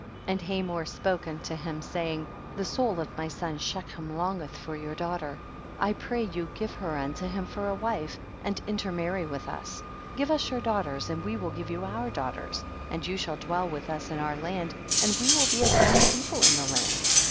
24. And Hamor spoke unto them, saying, the soul of my son Shechem longeth for your daughter ; I pray you give her unto him for a wife and intermarry with us; give us your daughters and we will give you our daughters, and you shall dwell with us in our land and we will be as one people in the land.